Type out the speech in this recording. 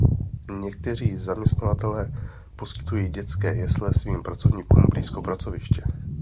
Někteří zaměstnavatelé poskytují dětské jesle svým pracovníkům blízko pracoviště.